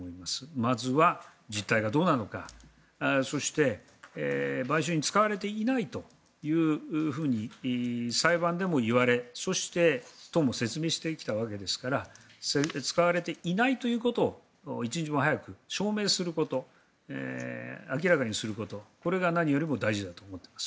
まずは実態がどうなのかそして、買収に使われていないと裁判でも言われ、そして党も説明してきたわけですから使われていないということを一日も早く証明すること明らかにすることこれが何よりも大事だと思っています。